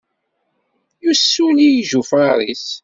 Yussuli ijufaṛ-is.